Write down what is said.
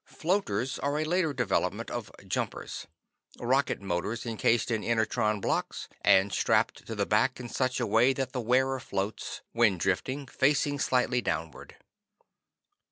"Floaters" are a later development of "jumpers" rocket motors encased in inertron blocks and strapped to the back in such a way that the wearer floats, when drifting, facing slightly downward.